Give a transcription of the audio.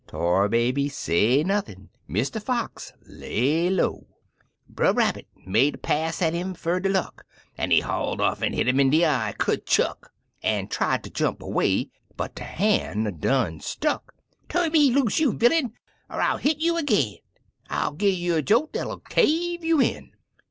Tar Baby say nothin' — Mr, Fox lay lowl Brer Rabbit made a pass at 'im des fer luck, An' he hauled off an' hit 'im in de eye — kerchuckf An' tried ter jump away, but de han" done stuckl "Turn me loose, you villyun, er I'll hit you ag'ini I'll gi' you a jolt dat'll cave you in